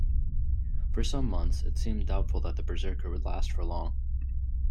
For some months it seemed doubtful that The Berzerker would last for long.